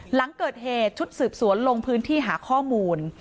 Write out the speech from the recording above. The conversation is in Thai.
หลังเกิดเหตุชุดสืบสวนลงพื้นที่หาข้อมูล